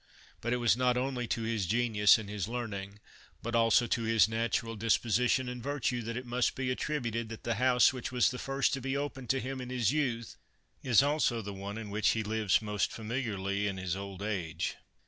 But it was not only to his genius and his learning, but also to his natural disposition and virtue, that it must be attributed that the house which was the first to be opened to him in his youth, is also the one in which he lives most familiarly in his old age.